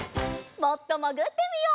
もっともぐってみよう。